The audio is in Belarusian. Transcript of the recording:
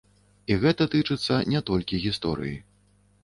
І гэта тычыцца не толькі гісторыі.